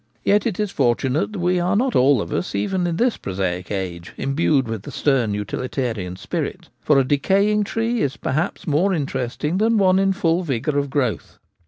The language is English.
Yet it is fortunate that we are not all of us, even in this prosaic age, imbued with the stern utilitarian spirit ; for a decaying tree is perhaps more interest ing than one in full vigour of growth.